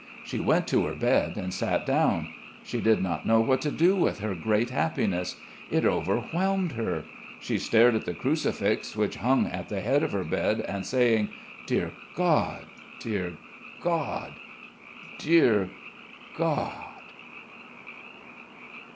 She went to her bed and sat down. She did not know what to do with her great happiness. It overwhelmed her. She stared at the crucifix which hung at the head of her bed and saying: "Dear God, dear God, dear God."